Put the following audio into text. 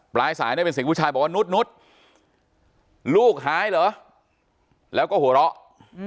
ปลายสายเนี่ยเป็นเสียงผู้ชายบอกว่านุษนุษย์ลูกหายเหรอแล้วก็หัวเราะ